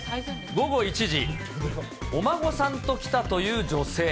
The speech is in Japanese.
午後１時、お孫さんと来たという女性。